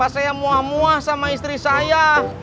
saya muah muah sama istri saya